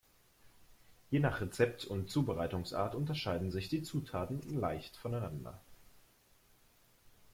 Je nach Rezept und Zubereitungsart unterscheiden sich die Zutaten leicht voneinander.